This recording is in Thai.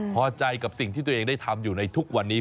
พอใจกับสิ่งที่ตัวเองได้ทำอยู่ในทุกวันนี้